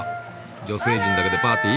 女性陣だけでパーティー？